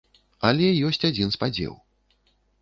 Але ёсць адзін спадзеў.